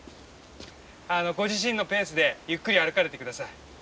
ご自身のペースでゆっくり歩かれて下さい。